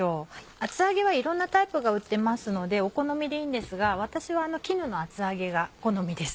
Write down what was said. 厚揚げはいろんなタイプが売ってますのでお好みでいいんですが私は絹の厚揚げが好みです。